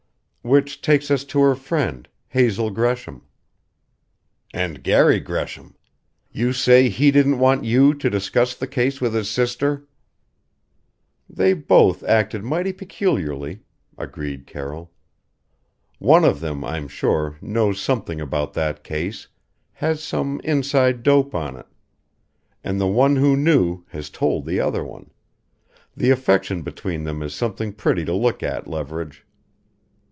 Which takes us to her friend Hazel Gresham." "And Garry Gresham. You say he didn't want you to discuss the case with his sister." "They both acted mighty peculiarly," agreed Carroll. "One of them, I'm sure, knows something about that case has some inside dope on it. And the one who knew has told the other one the affection between them is something pretty to look at, Leverage."